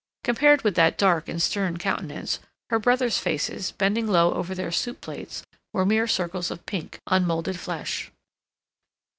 Compared with that dark and stern countenance, her brothers' faces, bending low over their soup plates, were mere circles of pink, unmolded flesh.